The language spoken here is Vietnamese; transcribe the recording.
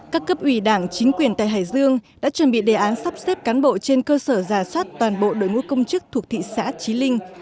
các cấp ủy đảng chính quyền tại hải dương đã chuẩn bị đề án sắp xếp cán bộ trên cơ sở giả soát toàn bộ đội ngũ công chức thuộc thị xã trí linh